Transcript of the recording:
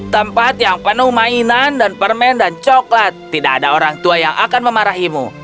tempat yang penuh mainan dan permen dan coklat tidak ada orang tua yang akan memarahimu